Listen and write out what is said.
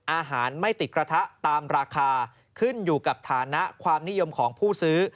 อาหารไม่ติดกระทะตามราคาขึ้นอยู่กับฐานะความนิยมของผู้ซื้อ